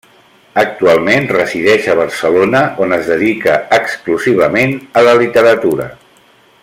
Actualment resideix a Barcelona, on es dedica exclusivament a la literatura.